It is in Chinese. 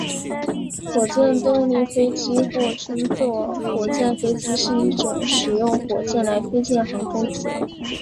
火箭动力飞机或称作火箭飞机是一种使用火箭来推进的航空器。